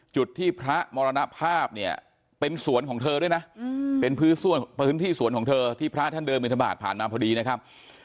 จุดที่พระมรณภาพเนี่ยเป็นสวนของเธอด้วยนะเป็นพื้นที่สวนของเธอที่พระท่านเดินบินทบาทผ่านมาพอดีนะครับ